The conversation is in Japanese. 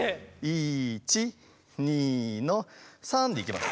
１２の３でいきます。